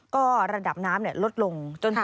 สวัสดีค่ะสวัสดีค่ะ